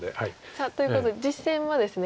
さあということで実戦はですね